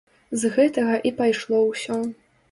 З гэтага і пайшло ўсё.